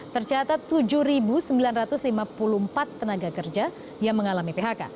tercatat tujuh sembilan ratus lima puluh empat tenaga kerja yang mengalami phk